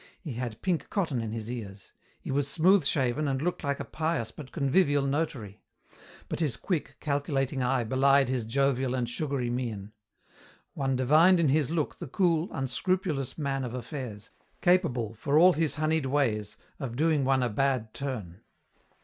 He had pink cotton in his ears. He was smooth shaven and looked like a pious but convivial notary. But his quick, calculating eye belied his jovial and sugary mien. One divined in his look the cool, unscrupulous man of affairs, capable, for all his honeyed ways, of doing one a bad turn.